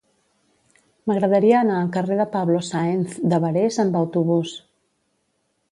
M'agradaria anar al carrer de Pablo Sáenz de Barés amb autobús.